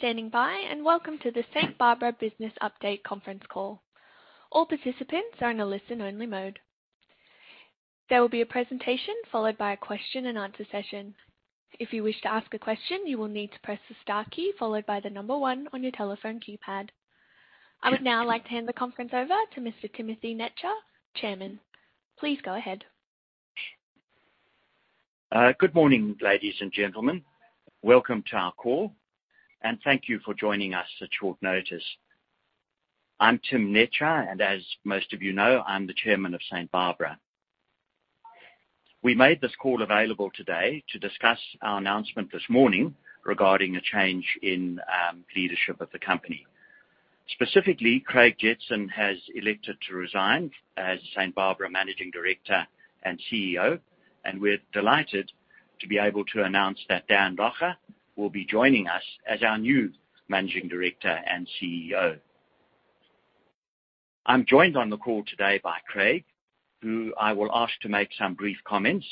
Thank you for standing by and welcome to the St Barbara Business Update Conference Call. All participants are in a listen only mode. There will be a presentation followed by a question-and-answer session. If you wish to ask a question, you will need to press the star key followed by the number one on your telephone keypad. I would now like to hand the conference over to Mr. Timothy Netscher, Chairman. Please go ahead. Good morning, ladies and gentlemen. Welcome to our call, and thank you for joining us at short notice. I'm Tim Netscher, and as most of you know, I'm the Chairman of St Barbara. We made this call available today to discuss our announcement this morning regarding a change in leadership of the company. Specifically, Craig Jetson has elected to resign as St Barbara Managing Director and CEO, and we're delighted to be able to announce that Dan Lougher will be joining us as our new Managing Director and CEO. I'm joined on the call today by Craig, who I will ask to make some brief comments,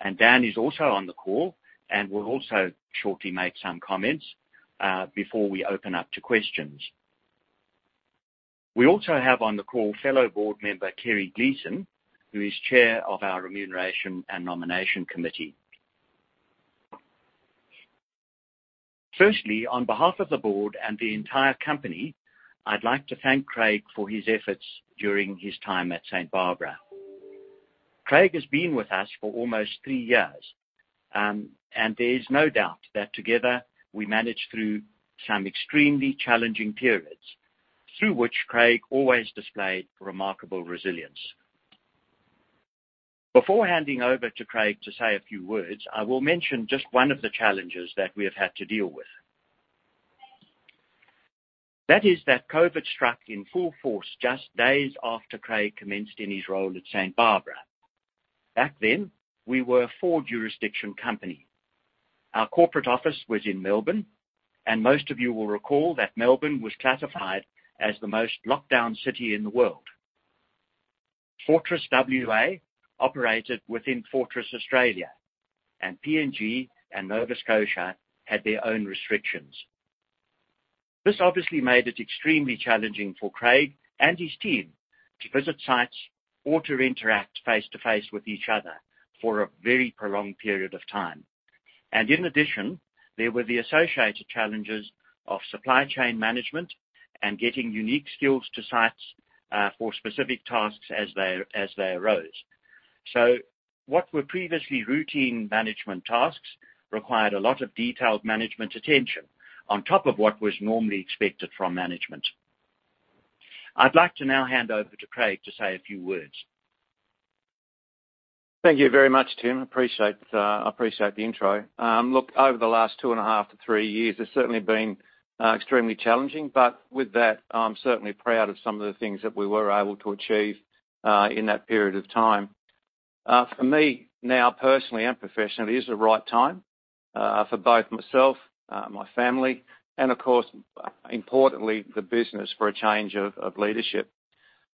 and Dan is also on the call and will also shortly make some comments before we open up to questions. We also have on the call fellow board member, Kerry Gleeson, who is Chair of our Remuneration and Nomination Committee. Firstly, on behalf of the board and the entire company, I'd like to thank Craig for his efforts during his time at St Barbara. Craig has been with us for almost three years, and there is no doubt that together, we managed through some extremely challenging periods through which Craig always displayed remarkable resilience. Before handing over to Craig to say a few words, I will mention just one of the challenges that we have had to deal with. That is that COVID struck in full force just days after Craig commenced in his role at St Barbara. Back then, we were a four-jurisdiction company. Our corporate office was in Melbourne, and most of you will recall that Melbourne was classified as the most locked down city in the world. Fortress WA operated within Fortress Australia, and PNG and Nova Scotia had their own restrictions. This obviously made it extremely challenging for Craig and his team to visit sites or to interact face-to-face with each other for a very prolonged period of time. In addition, there were the associated challenges of supply chain management and getting unique skills to sites, for specific tasks as they arose. What were previously routine management tasks required a lot of detailed management attention on top of what was normally expected from management. I'd like to now hand over to Craig to say a few words. Thank you very much, Tim. Appreciate the intro. Look, over the last 2.5-3 years, it's certainly been extremely challenging. With that, I'm certainly proud of some of the things that we were able to achieve in that period of time. For me, now, personally and professionally, it is the right time for both myself, my family and of course, importantly, the business for a change of leadership.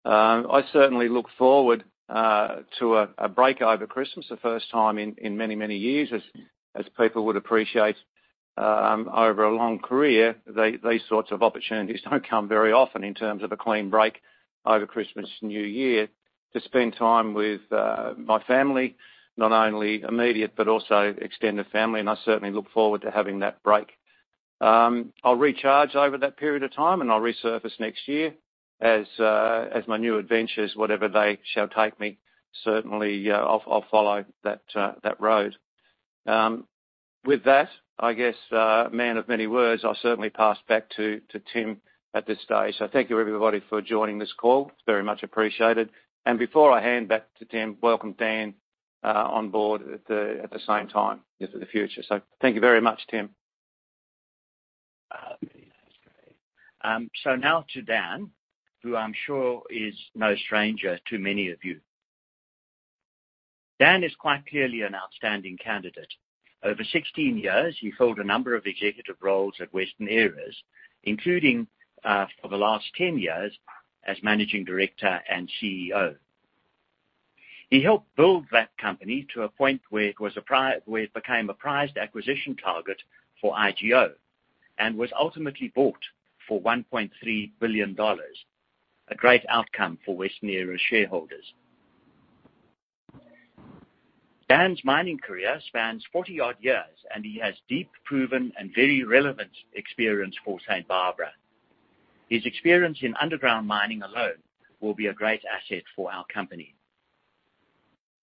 I certainly look forward to a break over Christmas, the first time in many years as people would appreciate, over a long career, these sorts of opportunities don't come very often in terms of a clean break over Christmas and New Year to spend time with my family, not only immediate but also extended family. I certainly look forward to having that break. I'll recharge over that period of time, and I'll resurface next year as my new adventures, whatever they shall take me. I'll follow that road. With that, I guess, man of many words, I'll certainly pass back to Tim at this stage. Thank you everybody for joining this call. It's very much appreciated. Before I hand back to Tim, welcome Dan on board at the same time into the future. Thank you very much, Tim. Now to Dan, who I'm sure is no stranger to many of you. Dan is quite clearly an outstanding candidate. Over 16 years, he held a number of executive roles at Western Areas, including, for the last 10 years as managing director and CEO. He helped build that company to a point where it became a prized acquisition target for IGO and was ultimately bought for 1.3 billion dollars, a great outcome for Western Areas shareholders. Dan's mining career spans 40-odd years, and he has deep, proven, and very relevant experience for St Barbara. His experience in underground mining alone will be a great asset for our company.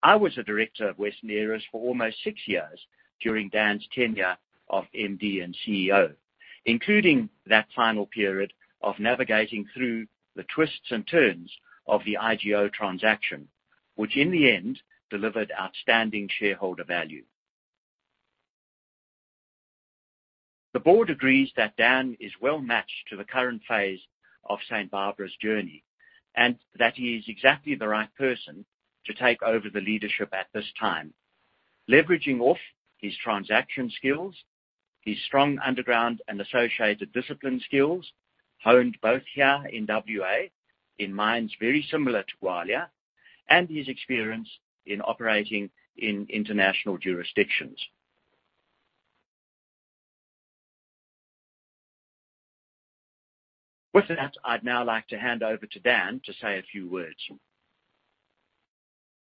I was a director of Western Areas for almost six years during Dan's tenure of MD and CEO, including that final period of navigating through the twists and turns of the IGO transaction, which in the end delivered outstanding shareholder value. The board agrees that Dan is well-matched to the current phase of St Barbara's journey and that he is exactly the right person to take over the leadership at this time, leveraging off his transaction skills, his strong underground and associated discipline skills, honed both here in WA, in mines very similar to Gwalia, and his experience in operating in international jurisdictions. With that, I'd now like to hand over to Dan to say a few words.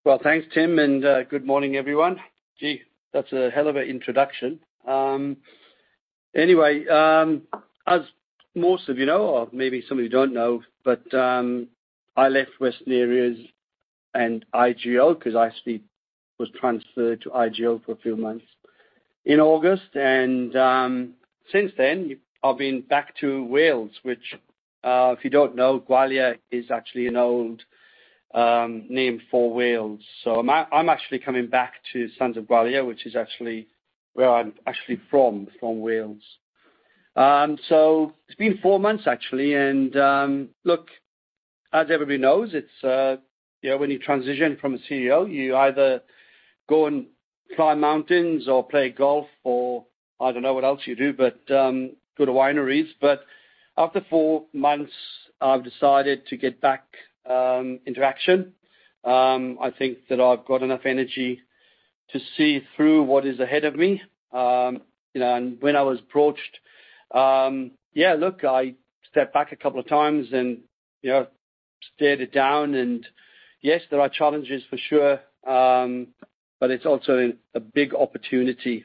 Well, thanks, Tim, and good morning, everyone. Gee, that's a hell of an introduction. Anyway, as most of you know, or maybe some of you don't know, but I left Western Areas and IGO, 'cause I actually was transferred to IGO for a few months, in August and since then, I've been back to Wales, which, if you don't know, Gwalia is actually an old name for Wales. I'm actually coming back to Sons of Gwalia, which is actually where I'm actually from Wales. So it's been four months, actually, and look, as everybody knows, it's you know, when you transition from a CEO, you either go and climb mountains or play golf or I don't know what else you do, but go to wineries. After four months, I've decided to get back into action. I think that I've got enough energy to see through what is ahead of me. You know, when I was approached, yeah, look, I stepped back a couple of times and, you know, stared it down. Yes, there are challenges for sure, but it's also a big opportunity.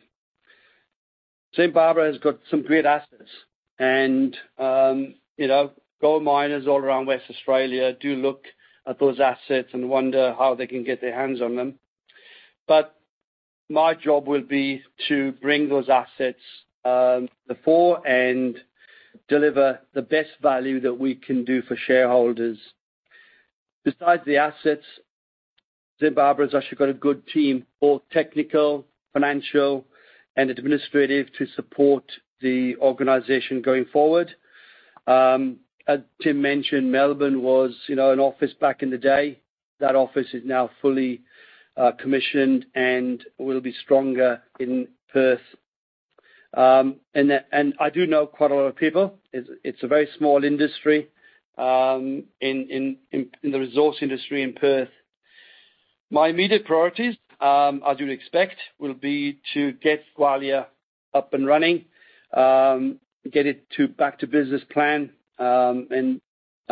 St Barbara's got some great assets, and, you know, gold miners all around Western Australia do look at those assets and wonder how they can get their hands on them. My job will be to bring those assets to the fore and deliver the best value that we can do for shareholders. Besides the assets, St Barbara's actually got a good team, both technical, financial, and administrative to support the organization going forward. As Tim mentioned, Melbourne was, you know, an office back in the day. That office is now fully commissioned and will be stronger in Perth. I do know quite a lot of people. It's a very small industry in the resource industry in Perth. My immediate priorities, as you'd expect, will be to get Gwalia up and running, get it back to business plan. I'm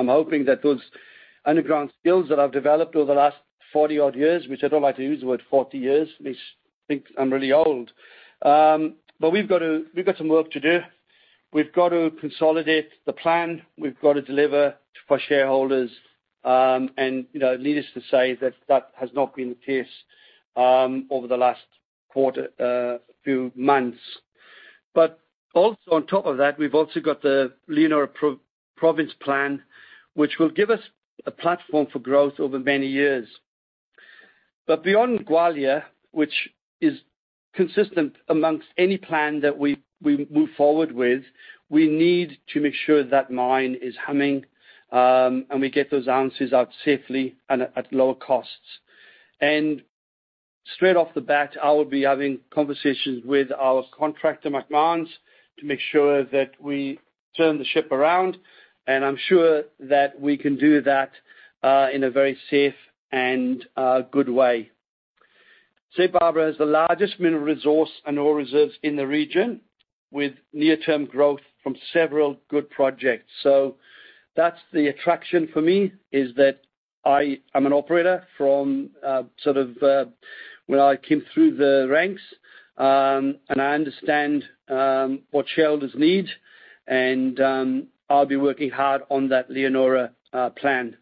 hoping that those underground skills that I've developed over the last 40-odd years, which I don't like to use the word 40 years, makes me think I'm really old. We've got some work to do. We've got to consolidate the plan. We've got to deliver for shareholders, and, you know, needless to say that has not been the case over the last quarter, few months. Also on top of that, we've also got the Leonora Province Plan, which will give us a platform for growth over many years. Beyond Gwalia, which is consistent amongst any plan that we move forward with, we need to make sure that mine is humming, and we get those ounces out safely and at low costs. Straight off the bat, I will be having conversations with our contractor, Macmahon's, to make sure that we turn the ship around, and I'm sure that we can do that in a very safe and good way. St Barbara has the largest mineral resource and ore reserves in the region, with near-term growth from several good projects. That's the attraction for me, is that I am an operator from, sort of, when I came through the ranks, and I understand what shareholders need, and I'll be working hard on that Leonora plan.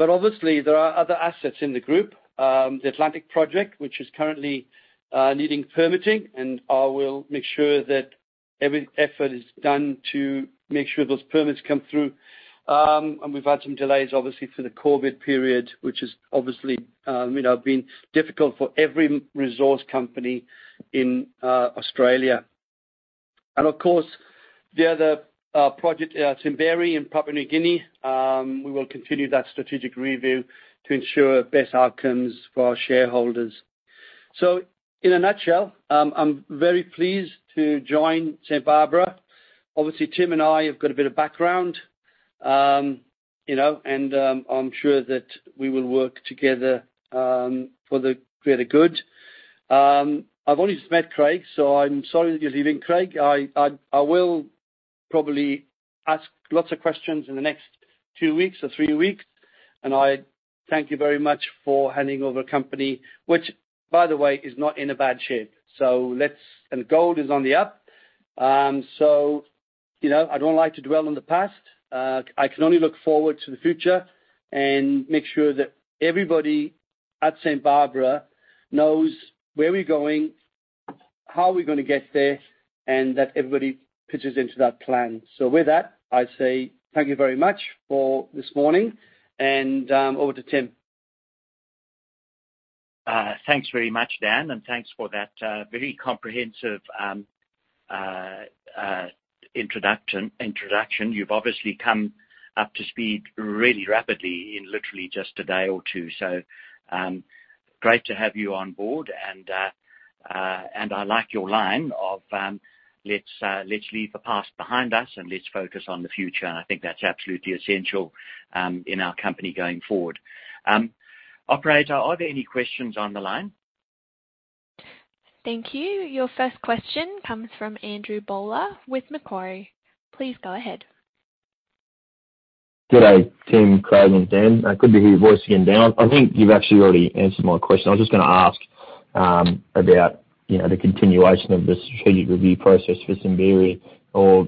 Obviously, there are other assets in the group. The Atlantic Gold, which is currently needing permitting, and I will make sure that every effort is done to make sure those permits come through. We've had some delays, obviously, for the COVID period, which has obviously, you know, been difficult for every resource company in Australia. Of course, the other project, Simberi in Papua New Guinea, we will continue that strategic review to ensure best outcomes for our shareholders. In a nutshell, I'm very pleased to join St Barbara. Obviously, Tim and I have got a bit of background. You know, I'm sure that we will work together for the greater good. I've only just met Craig, so I'm sorry that you're leaving, Craig. I will probably ask lots of questions in the next two weeks or three weeks, and I thank you very much for handing over a company, which, by the way, is not in a bad shape. Gold is on the up. You know, I don't like to dwell on the past. I can only look forward to the future and make sure that everybody at St Barbara knows where we're going, how we're gonna get there, and that everybody pitches into that plan. With that, I say thank you very much for this morning and over to Tim. Thanks very much, Dan, and thanks for that very comprehensive introduction. You've obviously come up to speed really rapidly in literally just a day or two. Great to have you on board and I like your line of, let's leave the past behind us and let's focus on the future. I think that's absolutely essential in our company going forward. Operator, are there any questions on the line? Thank you. Your first question comes from Andrew Bowler with Macquarie. Please go ahead. Good day, Tim, Craig, and Dan. Good to hear your voice again, Dan. I think you've actually already answered my question. I was just gonna ask about, you know, the continuation of the strategic review process for Simberi or,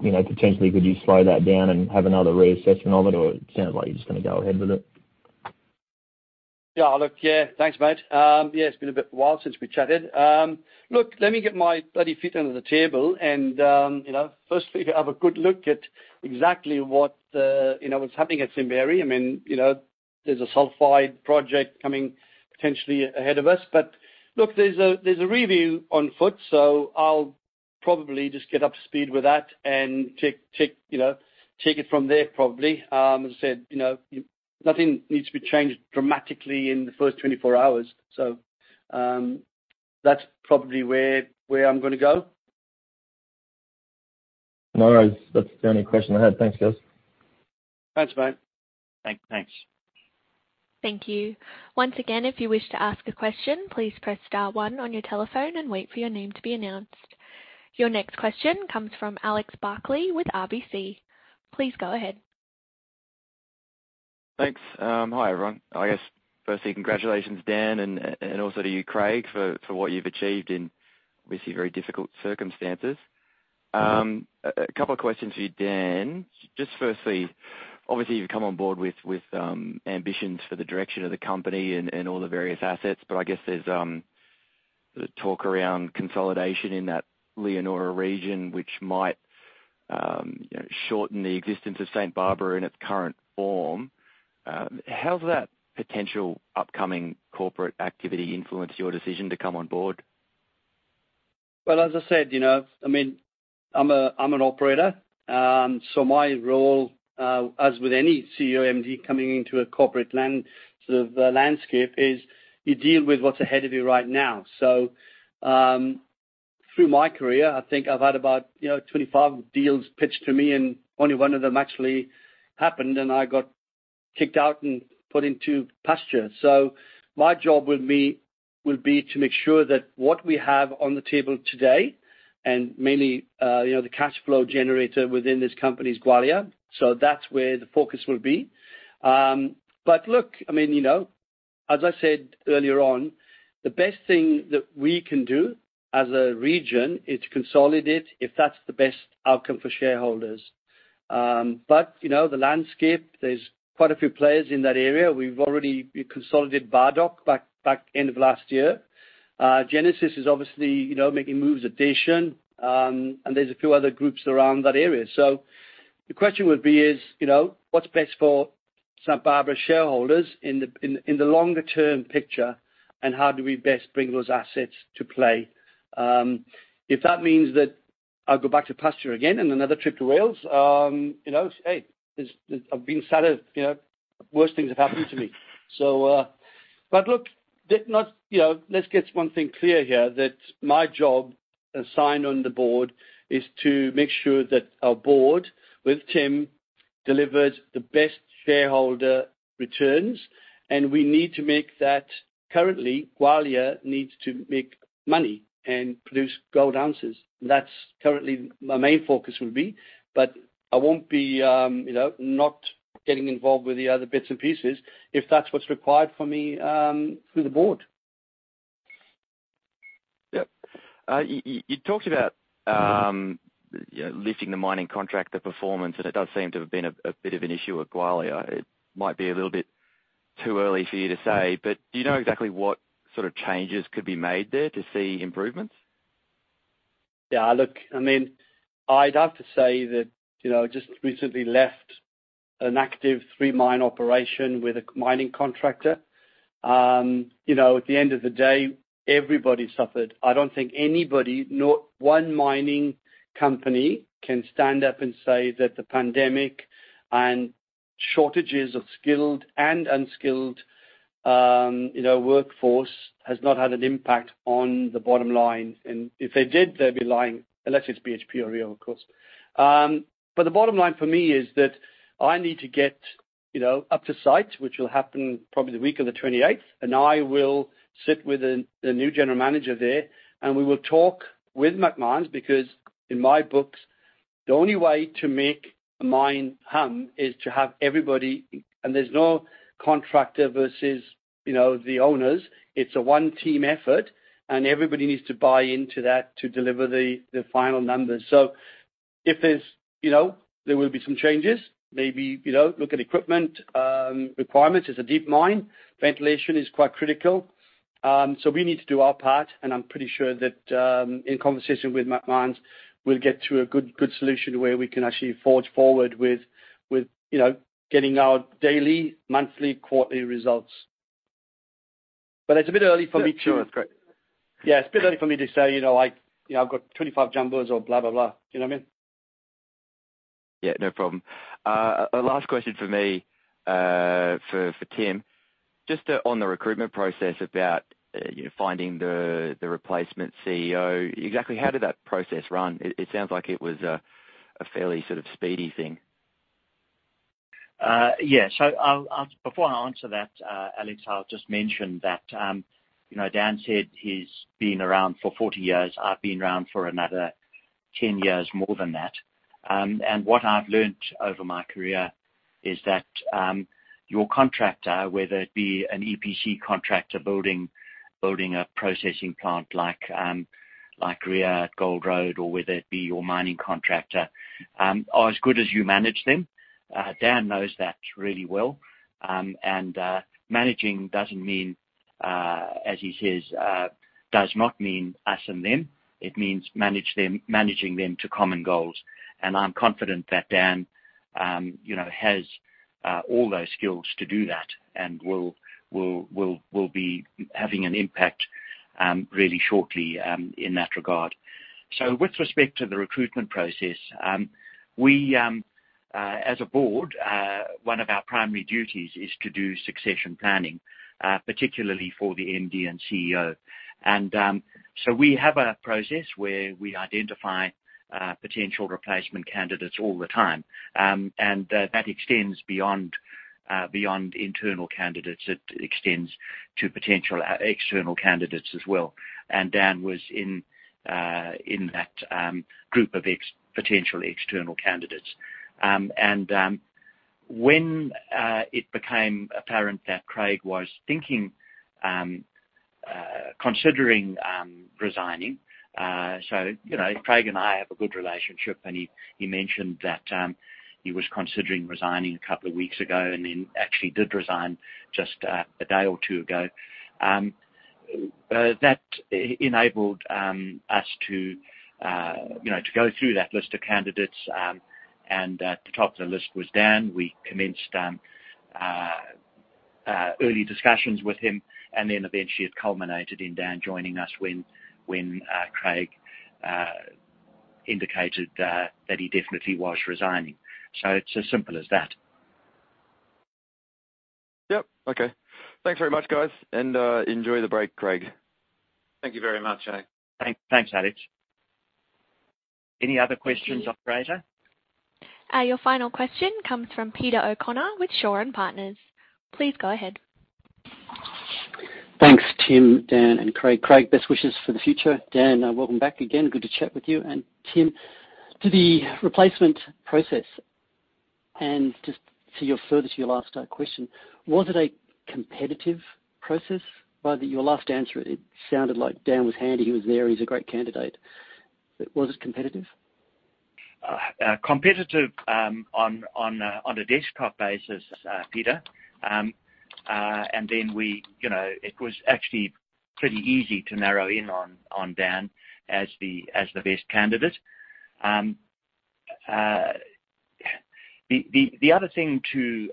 you know, potentially could you slow that down and have another reassessment of it, or it sounds like you're just gonna go ahead with it. Yeah. Look, yeah. Thanks, mate. It's been a bit while since we chatted. Look, let me get my bloody feet under the table and, you know, firstly have a good look at exactly what the, you know, what's happening at Simberi. I mean, you know, there's a sulfide project coming potentially ahead of us. Look, there's a review on foot, so I'll probably just get up to speed with that and take you know take it from there probably. As I said, you know, nothing needs to be changed dramatically in the first 24 hours. That's probably where I'm gonna go. No worries. That's the only question I had. Thanks, guys. Thanks, mate. Thank-thanks. Thank you. Once again, if you wish to ask a question, please press star one on your telephone and wait for your name to be announced. Your next question comes from Alex Barclay with RBC. Please go ahead. Thanks. Hi, everyone. I guess firstly, congratulations, Dan, and also to you, Craig, for what you've achieved in obviously very difficult circumstances. A couple of questions for you, Dan. Just firstly, obviously you've come on board with ambitions for the direction of the company and all the various assets, but I guess there's the talk around consolidation in that Leonora region, which might, you know, shorten the existence of St Barbara in its current form. How's that potential upcoming corporate activity influenced your decision to come on board? Well, as I said, you know, I mean, I'm an operator, so my role, as with any CEO MD coming into a corporate landscape, is you deal with what's ahead of you right now. Through my career, I think I've had about, you know, 25 deals pitched to me and only one of them actually happened and I got kicked out and put into pasture. My job will be to make sure that what we have on the table today, and mainly, you know, the cash flow generator within this company is Gwalia. That's where the focus will be. Look, I mean, you know, as I said earlier on, the best thing that we can do as a region is consolidate if that's the best outcome for shareholders. You know, the landscape, there's quite a few players in that area. We've already consolidated Bardoc back end of last year. Genesis is obviously, you know, making moves at Edna May, and there's a few other groups around that area. The question would be is, you know, what's best for St Barbara shareholders in the longer-term picture, and how do we best bring those assets to play? If that means that I'll go back to pasture again and another trip to Wales, you know, hey, there's. I've been sadder, you know, worse things have happened to me. Look, let's not, you know, let's get one thing clear here that my job as MD on the board is to make sure that our board with Tim delivers the best shareholder returns, and we need to make that. Currently, Gwalia needs to make money and produce gold ounces. That's currently my main focus will be. I won't be, you know, not getting involved with the other bits and pieces if that's what's required for me, through the board. Yep. You talked about, you know, lifting the mining contractor performance, and it does seem to have been a bit of an issue at Gwalia. It might be a little bit too early for you to say, but do you know exactly what sort of changes could be made there to see improvements? Yeah, look, I mean, I'd have to say that, you know, just recently left an active three mine operation with a mining contractor. You know, at the end of the day, everybody suffered. I don't think anybody, not one mining company can stand up and say that the pandemic and shortages of skilled and unskilled, you know, workforce has not had an impact on the bottom line. If they did, they'd be lying, unless it's BHP or Rio, of course. The bottom line for me is that I need to get, you know, up to site, which will happen probably the week of the 28th, and I will sit with the new general manager there, and we will talk with Macmahon, because in my books, the only way to make a mine hum is to have everybody. There's no contractor versus, you know, the owners. It's a one team effort, and everybody needs to buy into that to deliver the final numbers. If there's, you know, there will be some changes, maybe, you know, look at equipment requirements. It's a deep mine. Ventilation is quite critical. We need to do our part, and I'm pretty sure that in conversation with Macmahon, we'll get to a good solution where we can actually forge forward with, you know, getting our daily, monthly, quarterly results. It's a bit early for me to- Yeah, sure. That's great. Yeah, it's a bit early for me to say, you know, you know, I've got 25 jumbos or blah, blah. You know what I mean? Yeah, no problem. Last question for me, for Tim, just on the recruitment process about finding the replacement CEO. Exactly how did that process run? It sounds like it was a fairly sort of speedy thing. Before I answer that, Alex, I'll just mention that, you know, Dan said he's been around for 40 years. I've been around for another 10 years more than that. What I've learned over my career is that, your contractor, whether it be an EPC contractor building a processing plant like Gruyere at Gold Road or whether it be your mining contractor, are as good as you manage them. Dan knows that really well. Managing doesn't mean, as he says, does not mean us and them. It means managing them to common goals. I'm confident that Dan, you know, has all those skills to do that and will be having an impact, really shortly, in that regard. With respect to the recruitment process, we, as a board, one of our primary duties is to do succession planning, particularly for the MD and CEO. We have a process where we identify potential replacement candidates all the time. That extends beyond internal candidates. It extends to potential external candidates as well. Dan was in that group of potential external candidates. When it became apparent that Craig was considering resigning, you know, Craig and I have a good relationship, and he mentioned that he was considering resigning a couple of weeks ago and then actually did resign just a day or two ago. That enabled us to, you know, to go through that list of candidates, and the top of the list was Dan. We commenced early discussions with him, and then eventually it culminated in Dan joining us when Craig indicated that he definitely was resigning. It's as simple as that. Yep. Okay. Thanks very much, guys. Enjoy the break, Craig. Thank you very much, Alex. Thanks, Alex. Any other questions, operator? Your final question comes from Peter O'Connor with Shaw and Partners. Please go ahead. Thanks, Tim, Dan, and Craig. Craig, best wishes for the future. Dan, welcome back again. Good to chat with you. Tim, to the replacement process, and just to your further to your last question, was it a competitive process? Your last answer, it sounded like Dan was handy. He was there. He's a great candidate. Was it competitive? Competitive on a desktop basis, Peter. We, you know, it was actually pretty easy to narrow in on Dan as the best candidate. The other thing to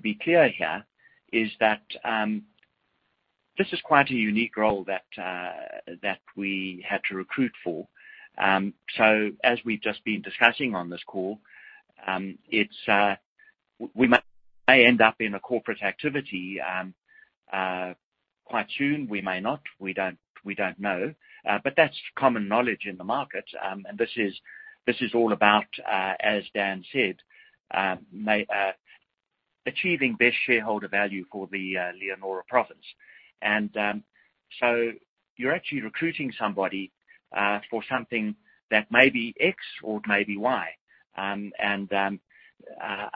be clear here is that this is quite a unique role that we had to recruit for. As we've just been discussing on this call, it's we may end up in a corporate activity quite soon. We may not. We don't know. That's common knowledge in the market. This is all about, as Dan said, achieving best shareholder value for the Leonora Province. You're actually recruiting somebody for something that may be X or maybe Y.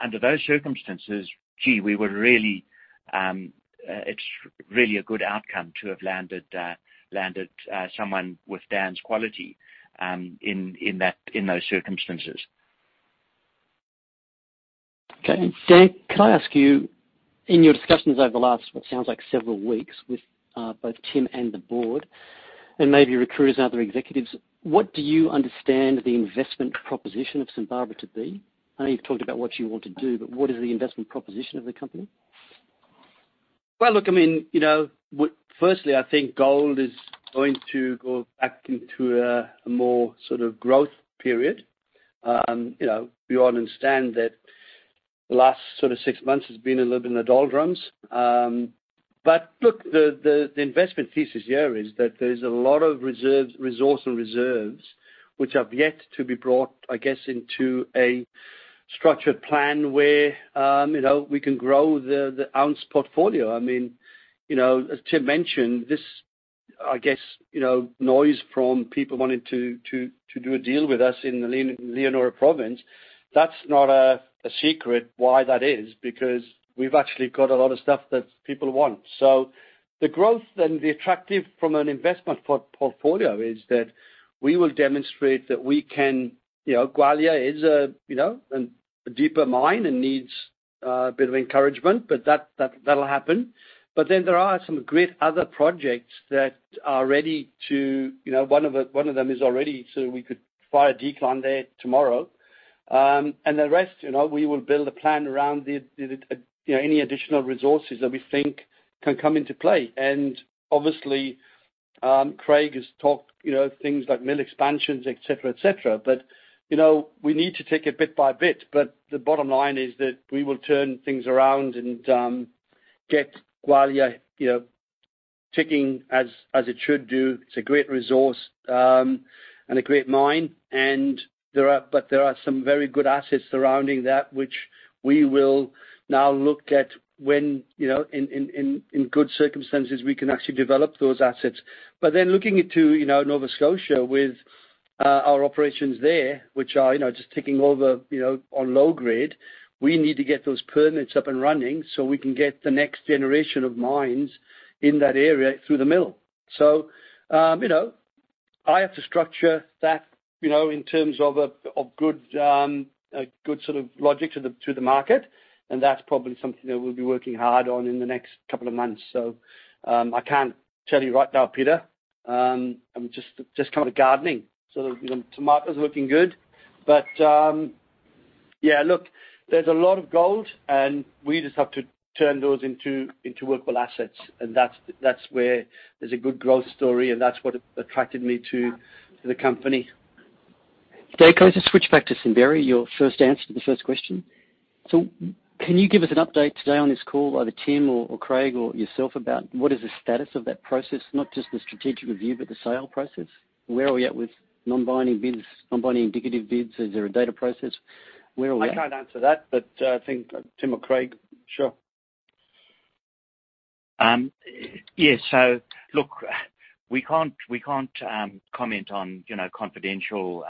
Under those circumstances, gee, it's really a good outcome to have landed someone with Dan's quality in those circumstances. Okay. Dan, can I ask you, in your discussions over the last, what sounds like several weeks with both Tim and the board and maybe recruiters and other executives, what do you understand the investment proposition of St Barbara to be? I know you've talked about what you want to do, but what is the investment proposition of the company? Well, look, I mean, you know, firstly, I think gold is going to go back into a more sort of growth period. You know, we all understand that the last sort of six months has been a little bit in the doldrums. Look, the investment thesis here is that there's a lot of reserves, resource and reserves which have yet to be brought, I guess, into a structured plan where, you know, we can grow the ounce portfolio. I mean, you know, as Tim mentioned, this, I guess, you know, noise from people wanting to do a deal with us in the Leonora Province, that's not a secret why that is because we've actually got a lot of stuff that people want. The growth and the attractiveness from an investment portfolio is that we will demonstrate that we can, you know, Gwalia is a, you know, a deeper mine and needs a bit of encouragement, but that'll happen. Then there are some great other projects that are ready to, you know, one of them is already, so we could start the decline there tomorrow. The rest, you know, we will build a plan around the, you know, any additional resources that we think can come into play. Obviously, Craig has talked, you know, things like mill expansions, et cetera. We need to take it bit by bit. The bottom line is that we will turn things around and get Gwalia, you know, ticking as it should do. It's a great resource, and a great mine. There are some very good assets surrounding that which we will now look at when, you know, in good circumstances, we can actually develop those assets. Then looking into, you know, Nova Scotia with, our operations there, which are, you know, just ticking over, you know, on low grade. We need to get those permits up and running so we can get the next generation of mines in that area through the mill. I have to structure that, you know, in terms of a good sort of logic to the market, and that's probably something that we'll be working hard on in the next couple of months. I can't tell you right now, Peter. I'm just kind of gardening. The tomatoes are looking good. Yeah, look, there's a lot of gold, and we just have to turn those into workable assets. That's where there's a good growth story, and that's what attracted me to the company. Okay. Can I just switch back to Simberi, your first answer to the first question? Can you give us an update today on this call, either Tim or Craig or yourself, about what is the status of that process? Not just the strategic review, but the sale process. Where are we at with non-binding bids, non-binding indicative bids? Is there a data process? Where are we at? I can't answer that, but I think Tim or Craig. Sure. Yes. Look, we can't comment on, you know, confidential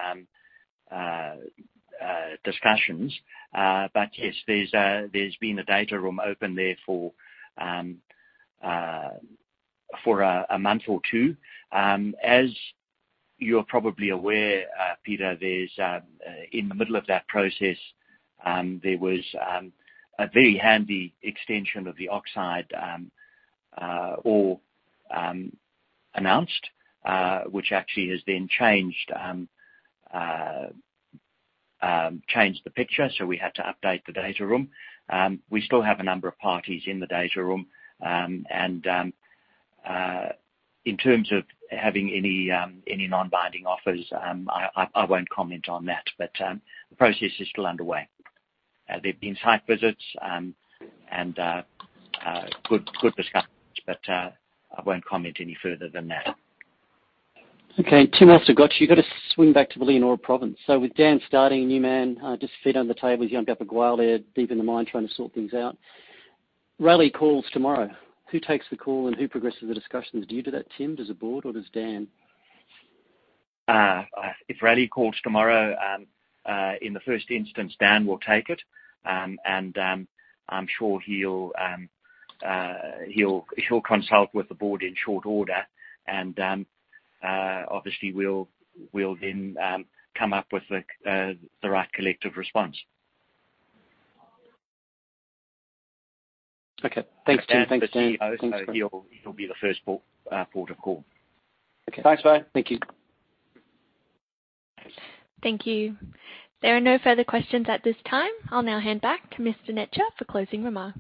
discussions. Yes, there's been a data room open there for a month or two. As you're probably aware, Peter, in the middle of that process, there was a very handy extension of the oxide ore announced, which actually has changed the picture, so we had to update the data room. We still have a number of parties in the data room. In terms of having any non-binding offers, I won't comment on that. The process is still underway. There's been site visits and good discussions, but I won't comment any further than that. Okay. Tim, I've also got you. You've got to swing back to the Leonora province. With Dan starting as new MD, just feet under the table, he's jumped up at Gwalia, deep in the mine, trying to sort things out. Raleigh calls tomorrow. Who takes the call and who progresses the discussions? Do you do that, Timothy does the board or does Dan? If Raleigh calls tomorrow, in the first instance, Dan will take it. I'm sure he'll consult with the board in short order, and obviously we'll then come up with the right collective response. Okay. Thanks, Dan. Dan's the CEO, so he'll be the first port of call. Okay. Thanks, mate. Thank you. Thank you. There are no further questions at this time. I'll now hand back to Mr. Netscher for closing remarks.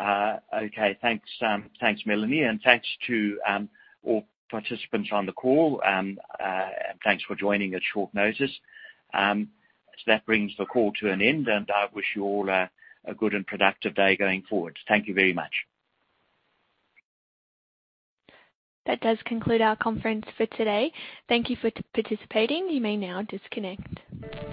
Okay. Thanks, Melanie. Thanks to all participants on the call. Thanks for joining at short notice. That brings the call to an end, and I wish you all a good and productive day going forward. Thank you very much. That does conclude our conference for today. Thank you for participating. You may now disconnect.